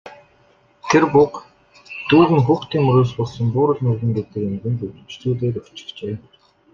Тэр буга дүүг нь хүүхдийн мөрөөс болсон Буурал мэргэн гэдэг эмгэнд үрчлүүлээд өгчихжээ.